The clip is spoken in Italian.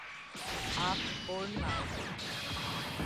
Up All Night